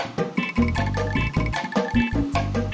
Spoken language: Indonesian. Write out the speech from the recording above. mbak ting nanti nyalah nyalah